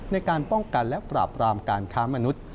ในการป้องกันและปราบรามการค้ามนุษย์